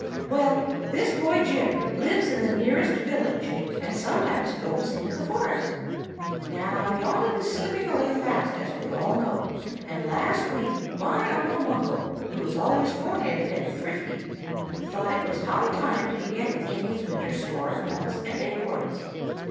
Well, this boy Jim lives in the nearest village, and sometimes goes into the forest. Now, the autumn is slipping away fast, as we all know; and last week my Uncle Munkle, who is always fore handed and thrifty, thought it was high time to be getting in his winter store of nuts and acorns.